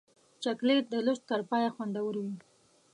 چاکلېټ د لوست تر پایه خوندور وي.